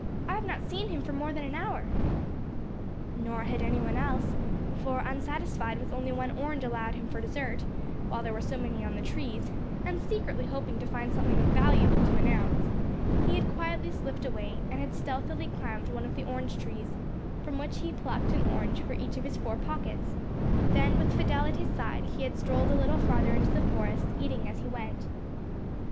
I have not seen him for half an hour." Nor had any one else; for, unsatisfied with only one orange allowed him for dessert, while there were so many on the trees, and secretly hoping to find something valuable to announce, he had quietly slipped away, and had stealthily climbed one of the orange trees, from which he plucked an orange for each of his four pockets, then with Fidelle at his side he had strolled a little farther into the forest, eating as he went.